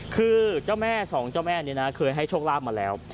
คือเจ้าแม่สองเจ้าแม่นี้นะเคยให้โชคลาภมาแล้ว